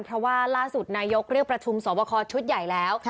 เพราะว่าล่าสุดนายกเรียกประชุมสอบคอชุดใหญ่แล้ว